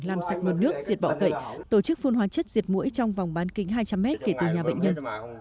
làm sạch nguồn nước diệt bọ gậy tổ chức phun hóa chất diệt mũi trong vòng bán kính hai trăm linh m kể từ nhà bệnh nhân